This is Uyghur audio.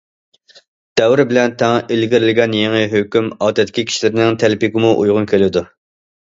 دەۋر بىلەن تەڭ ئىلگىرىلىگەن يېڭى ھۆكۈم ئادەتتىكى كىشىلەرنىڭ تەلىپىگىمۇ ئۇيغۇن كېلىدۇ.